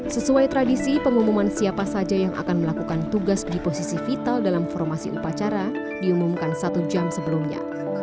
sesuai tradisi pengumuman siapa saja yang akan melakukan tugas di posisi vital dalam formasi upacara diumumkan satu jam sebelumnya